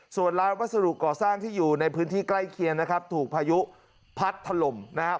ส่วนร้านวัสดุก่อสร้างที่อยู่ในพื้นที่ใกล้เคียงนะครับถูกพายุพัดถล่มนะครับ